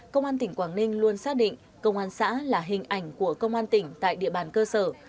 công an tỉnh quảng ninh luôn xác định công an xã là hình ảnh của công an tỉnh tại địa bàn cơ sở